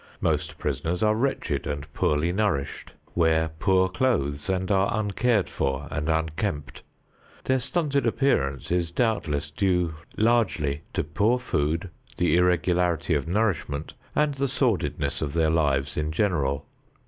Most prisoners are wretched and poorly nourished, wear poor clothes and are uncared for and unkempt. Their stunted appearance is doubtless due largely to poor food, the irregularity of nourishment, and the sordidness of their lives in general.